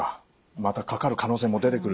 またかかる可能性も出てくるっていうこと。